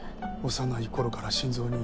幼いころから心臓に。